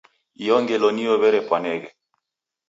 Iyo ngelo niyo w'erepwaneghe.